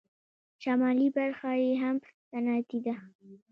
شمالي برخه یې هم صنعتي ده.